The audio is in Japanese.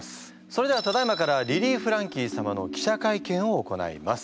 それではただいまからリリー・フランキー様の記者会見を行います。